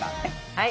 はい。